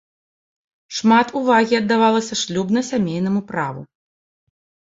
Шмат увагі аддавалася шлюбна-сямейнаму праву.